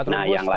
nah yang lain